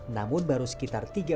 namun baru sekitar tiga perjalanan